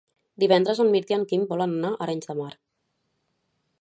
Divendres en Mirt i en Quim volen anar a Arenys de Mar.